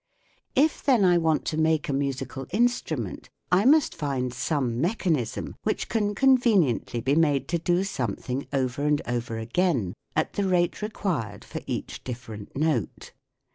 If, then, I want to make a musical instrument, I must find some mechanism which can con veniently be made to do something over and over again at the rate required for each different note.